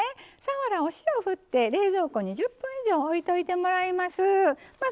さわら、お塩を振って冷蔵庫に１０分以上置いておいてもらいます。